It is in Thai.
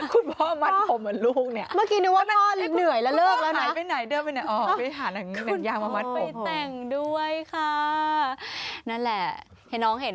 คุณพ่อมัดผมเหมือนลูกเนี่ย